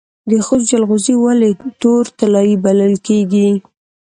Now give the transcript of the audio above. د خوست جلغوزي ولې تور طلایی بلل کیږي؟